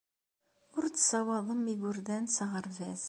Ur tessawaḍem igerdan s aɣerbaz.